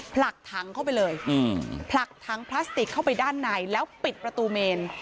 ผลักถังเข้าไปเลยผลักถังพลาสติกเข้าไปด้านในแล้วปิดประตูเมน